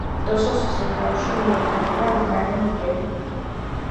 დოსოს რეგიონში მიედინება მდინარე ნიგერი.